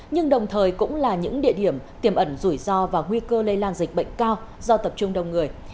nhưng đồng thời cũng là những địa điểm tiềm ẩn rủi ro và nguy cơ lây lan dịch bệnh cao do tập trung đông người